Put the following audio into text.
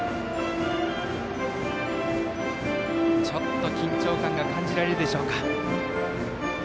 ちょっと緊張感が感じられるでしょうか。